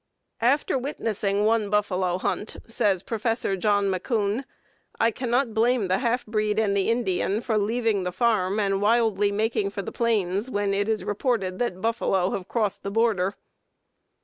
"After witnessing one buffalo hunt," says Prof. John Macoun, "I can not blame the half breed and the Indian for leaving the farm and wildly making for the plains when it is reported that buffalo have crossed the border."